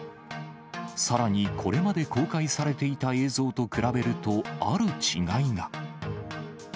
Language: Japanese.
さらに、これまで公開されていた映像と比べると、ある違いが。